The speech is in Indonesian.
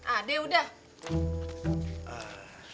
ah deh udah